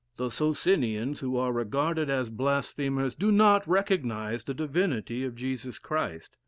The Socinians, who are regarded as blasphemers, do not recognize the divinity of Jesus Christ.